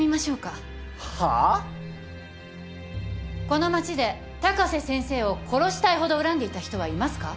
この町で高瀬先生を殺したいほど恨んでいた人はいますか？